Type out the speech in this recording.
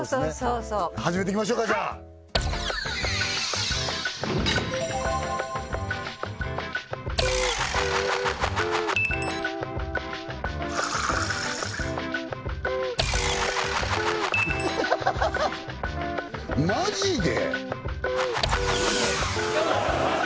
そうそう始めていきましょうかじゃあはいマジで？